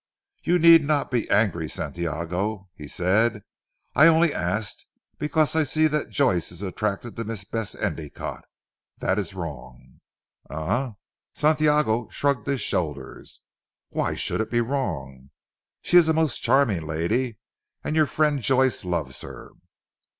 "You need not be angry Santiago," he said. "I only ask because I see that Joyce is attracted by Miss Bess Endicotte. That is wrong." "Eh!" Santiago shrugged his shoulders, "Why should it be wrong? She is a most charming lady and your friend Joyce loves her."